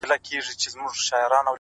• راكيټونو دي پر ما باندي را اوري،